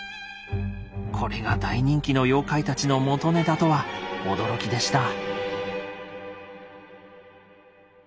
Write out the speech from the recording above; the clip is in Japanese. これが大人気の妖怪たちの元ネタとは驚きでした。